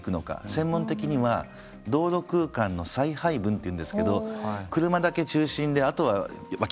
専門的には道路空間の再配分っていうんですけど車だけ中心であとは脇！